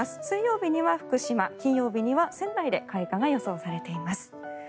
水曜日には福島、金曜日には仙台で開花が予想されています。